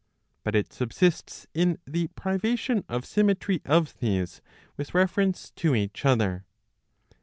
But it subsists in the privation of symmetry * of these with reference to each other.